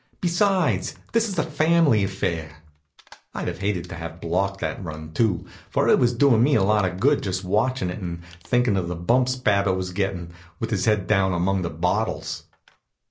"Besides, this is a family affair." I'd have hated to have blocked that run, too; for it was doin' me a lot of good, just watchin' it and thinkin' of the bumps Babbitt was gettin', with his head down among the bottles.